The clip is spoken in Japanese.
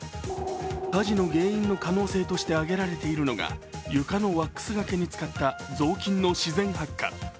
火事の原因の可能性としてあげられているのが床のワックスがけに使った雑巾の自然発火。